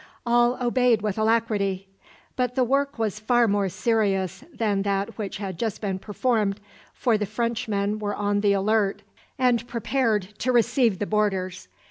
All obeyed with alacrity; but the work was far more serious than that which had just been performed, for the Frenchmen were on the alert and prepared to receive the borders.